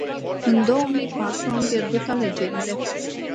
În două mii patru am pierdut alegerile.